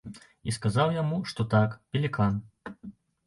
І сказаў яму, што так, пелікан.